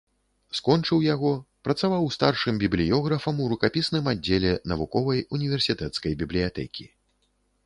Скончыў яго, працаваў старшым бібліёграфам ў рукапісным аддзеле навуковай універсітэцкай бібліятэкі.